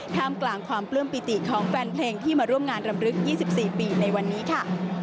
ท่ามกลางความปลื้มปิติของแฟนเพลงที่มาร่วมงานรำลึก๒๔ปีในวันนี้ค่ะ